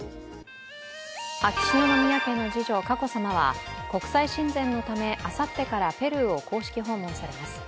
秋篠宮家の次女・佳子さまは、国際親善のためあさってからペルーを公式訪問されます。